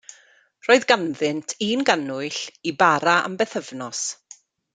Roedd ganddynt un gannwyll, i bara am bythefnos.